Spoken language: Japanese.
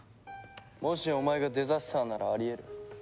もしお前がデザスターならあり得る。